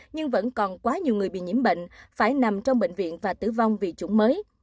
nhưng vẫn còn quá nhiều người bị nhiễm bệnh phải nằm trong bệnh viện và tử vong vì chủng mới